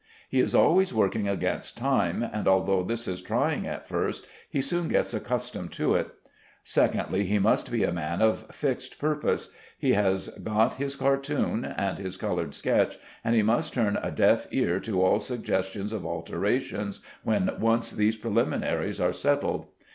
He is always working against time, and although this is trying at first, he soon gets accustomed to it. Secondly, he must be a man of fixed purpose. He has got his cartoon and his colored sketch, and he must turn a deaf ear to all suggestions of alterations when once these preliminaries are settled.